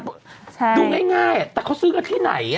ใช่ดูง่ายแต่เขาซื้อกันที่ไหน